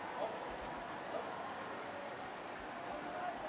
ขอบคุณทุกคน